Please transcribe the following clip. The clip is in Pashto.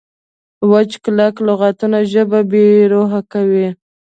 وچ کلک لغتونه ژبه بې روحه کوي.